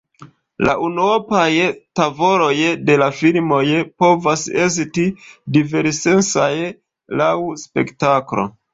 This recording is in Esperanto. La unuopaj tavoloj de la filmoj povas esti divers-sensaj laŭ spektro.